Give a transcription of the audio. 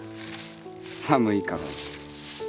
寒いから。